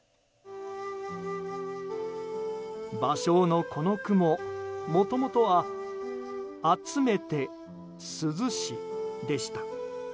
芭蕉のこの句も、もともとは「集めて涼し」でした。